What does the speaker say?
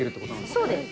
そうです。